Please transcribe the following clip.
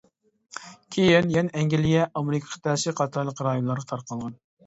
كېيىن يەنە ئەنگلىيە ئامېرىكا قىتئەسى قاتارلىق رايونلارغا تارقالغان.